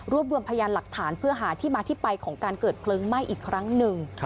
รวมรวมพยานหลักฐานเพื่อหาที่มาที่ไปของการเกิดเพลิงไหม้อีกครั้งหนึ่ง